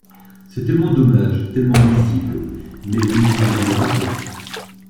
C’est tellement dommage, tellement nuisible ! Mais vous ne vous en rendez pas compte.